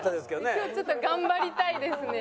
今日ちょっと頑張りたいですね